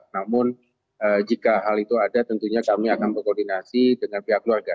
namun jika hal itu ada tentunya kami akan berkoordinasi dengan pihak keluarga